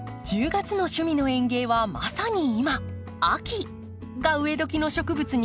１０月の「趣味の園芸」はまさに今「秋」が植えどきの植物に注目。